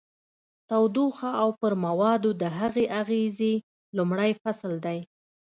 تودوخه او پر موادو د هغې اغیزې لومړی فصل دی.